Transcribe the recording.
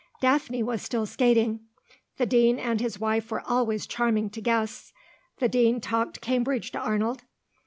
Daphne was still skating. The Dean and his wife were always charming to guests. The Dean talked Cambridge to Arnold.